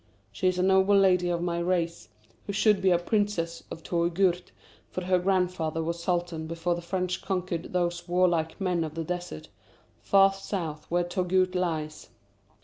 She is a noble lady of my race, who should be a Princess of Touggourt, for her grandfather was Sultan before the French conquered those warlike men of the desert, far south where Touggourt lies.